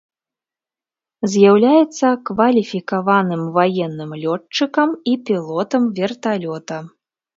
З'яўляецца кваліфікаваным ваенным лётчыкам і пілотам верталёта.